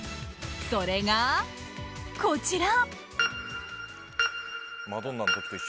それが、こちら！